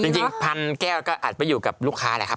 จริงพันแก้วก็อาจไปอยู่กับลูกค้าแหละครับ